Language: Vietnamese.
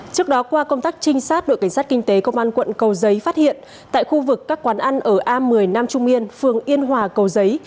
trước đó qua công tác trinh sát đội cảnh sát kinh tế công an quận cầu giấy phát hiện tại khu vực các quán ăn ở a một mươi nam trung yên phường yên hòa cầu giấy